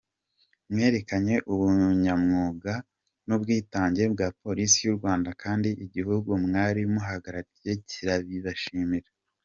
Mwerekanye ubunyamwuga n’ubwitange bwa Polisi y’u Rwanda kandi igihugu mwari muhagarariye kirabibashimira.”